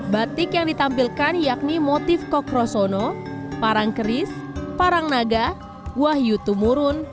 batik yang ditampilkan yakni motif kokrosono parang keris parang naga wahyu tumurun